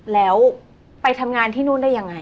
แล้วไปทำงานที่นู่นได้ยังไง